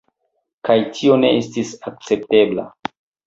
Kaj tio ne estis akceptebla.